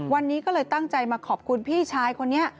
วันนี้ก็เลยตั้งใจมาขอบคุณพี่ชายคนนี้